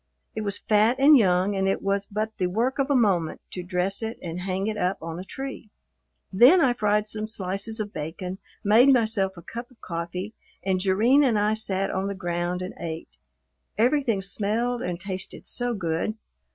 It was fat and young, and it was but the work of a moment to dress it and hang it up on a tree. Then I fried some slices of bacon, made myself a cup of coffee, and Jerrine and I sat on the ground and ate. Everything smelled and tasted so good!